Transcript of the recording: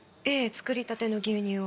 作りたての牛乳を。